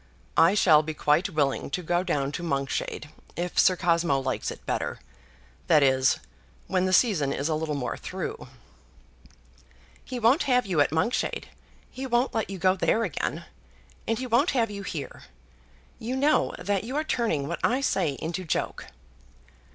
"I shall be quite willing to go down to Monkshade, if Sir Cosmo likes it better; that is, when the season is a little more through." "He won't have you at Monkshade. He won't let you go there again. And he won't have you here. You know that you are turning what I say into joke."